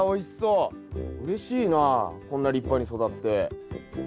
うれしいなこんな立派に育って。